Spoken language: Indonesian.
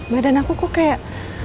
badan aku kok kayak